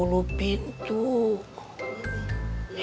gak bisa dikemas